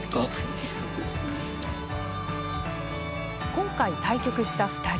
今回対局した２人。